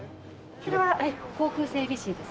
こちらは航空整備士ですね